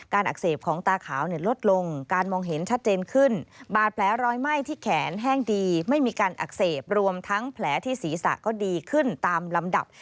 อักเสบของตาขาวเนี่ยลดลงการมองเห็นชัดเจนขึ้นบาดแผลรอยไหม้ที่แขนแห้งดีไม่มีการอักเสบรวมทั้งแผลที่ศีรษะก็ดีขึ้นตามลำดับ